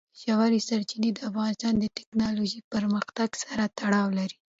ژورې سرچینې د افغانستان د تکنالوژۍ پرمختګ سره تړاو لري.